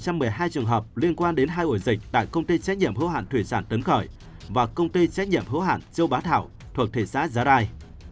trong đó ghi nhận một mươi hai trường hợp liên quan đến hai ổ dịch tại công ty trách nhiệm hữu hạn thủy sản tấn khởi và công ty trách nhiệm hữu hạn châu bá thảo thuộc thủy xã giá đai